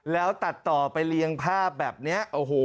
แล้วตัดต่อไปเรียงภาพแบบนี้โอ้โห